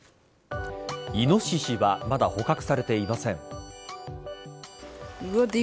イノシシはまだ捕獲されていません。